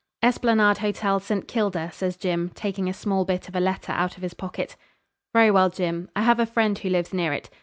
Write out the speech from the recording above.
'Esplanade Hotel, St. Kilda,' says Jim, taking a small bit of a letter out of his pocket. 'Very well, Jim, I have a friend who lives near it.